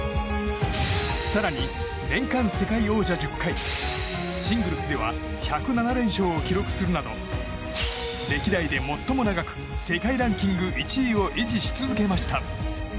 更に、年間世界王者１０回シングルスでは１０７連勝を記録するなど歴代で最も長く世界ランキング１位を維持し続けました。